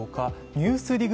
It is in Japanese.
「ＮＥＷＳＤＩＧ」